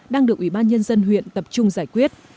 đang được ủy ban nhân dân huyện tập trung giải quyết